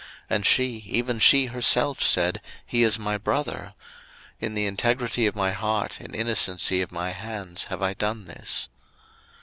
and she, even she herself said, He is my brother: in the integrity of my heart and innocency of my hands have I done this.